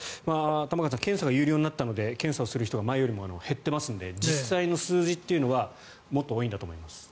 玉川さん、検査が有料になったので検査をする人が前よりも減っていますので実際の数字というのはそうですね。